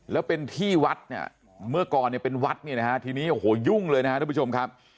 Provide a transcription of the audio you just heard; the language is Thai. แล้วเป็นที่วัดเนี่ยเมื่อก่อนเนี่ยเป็นวัดเนี่ยนะฮะทีนี้โอ้โหยุ่งเลยนะครับทุกผู้ชมครับ